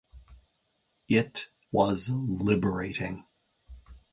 It was liberating.